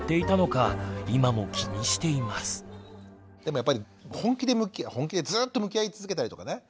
でもやっぱり本気でずっと向き合い続けたりとかね